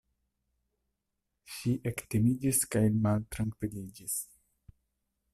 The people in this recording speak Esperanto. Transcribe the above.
Ŝi ektimiĝis kaj maltrankviliĝis.